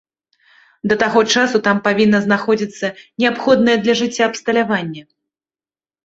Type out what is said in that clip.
Да таго часу там павінна знаходзіцца неабходнае для жыцця абсталяванне.